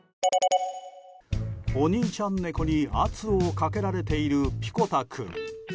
お兄ちゃん猫に圧をかけられている、ぴこた君。